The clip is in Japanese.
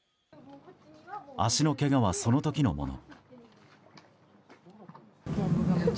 足のけがは、その時のもの。